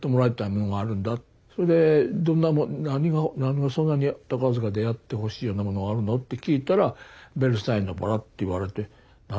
それでどんなもの何をそんなに宝塚でやってほしいようなものがあるのって聞いたら「ベルサイユのばら」って言われて何それ。